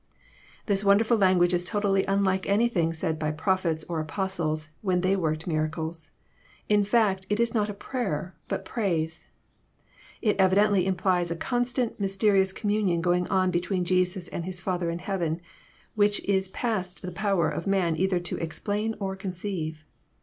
This wonderful language is totally unlike anything said by Prophets or Apostles, when they worked miracles. In fact, it is not prayer, but praise. It evidently implies a constant mysterious communion going on between Jesua and His Father in heaven, which it is past the power of man either to explain or conceive.